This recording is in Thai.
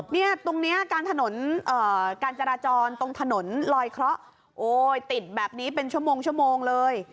นี่ตรงนี้การจราจรตรงถนนลอยเคราะห์ติดแบบนี้เป็นชั่วโมงเลย